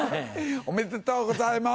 おめでとうございます！